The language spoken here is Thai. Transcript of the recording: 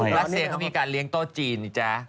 รัสเซียเขามีการเลี้ยงโต๊ะจีนนะจ๊ะ